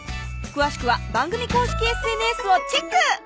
詳しくは番組公式ＳＮＳをＣＨＥＣＫ！